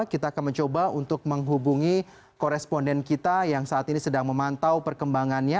kita akan mencoba untuk menghubungi koresponden kita yang saat ini sedang memantau perkembangannya